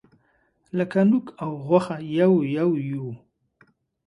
لکه نوک او غوښه یو یو یوو.